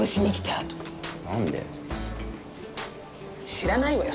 知らないわよ